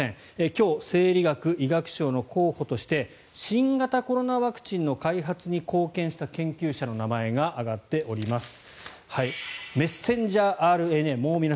今日、生理学医学賞の候補として新型コロナワクチンの開発に貢献した研究者の名前が挙がっております。